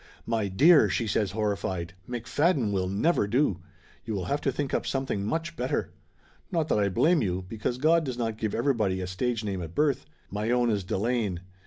"My dear!" she says, horrified. "McFadden will never do ! You will have to think up something much better. Not that I blame you, because God does not give everybody a stage name at birth. My own is De lane. Mrs.